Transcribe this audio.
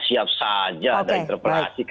siap saja ada interpelasi